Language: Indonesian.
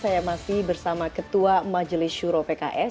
saya masih bersama ketua majelis syuro pks